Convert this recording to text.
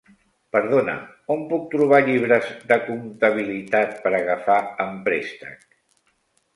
Perdona, on puc trobar llibres de comptabilitat per agafar en préstec?